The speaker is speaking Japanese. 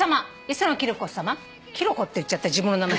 磯野キロコさま」キロコって言っちゃった自分の名前。